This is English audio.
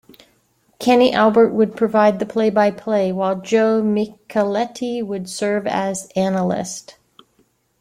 Kenny Albert would provide the play-by-play while Joe Micheletti would serve as analyst.